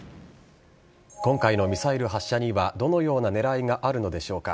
今回のミサイル発射にはどのような狙いがあるのでしょうか。